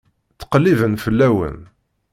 Ttqelliben fell-awen.